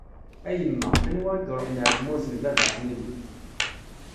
A yemma, anwa i ṛuḥen ar tmurt n baba ḥnini.